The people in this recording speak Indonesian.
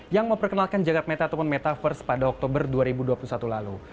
yang memperkenalkan jagad meta ataupun metaverse pada oktober dua ribu dua puluh satu lalu